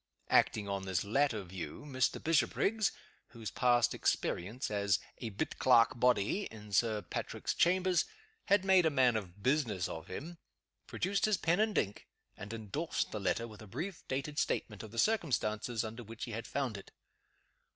Acting on this latter view, Mr. Bishopriggs whose past experience as "a bit clerk body," in Sir Patrick's chambers, had made a man of business of him produced his pen and ink, and indorsed the letter with a brief dated statement of the circumstances under which he had found it.